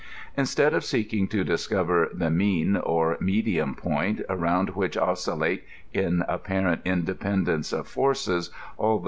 S^tead of seeking to discover the mean or mediwm, point, arousid which oscillate, in apparent independence of forces, all the!